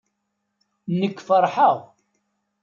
Nekk feṛheɣ.